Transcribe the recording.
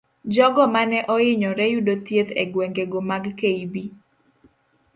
Jogo mane oinyore yudo thieth egwengego mag kb.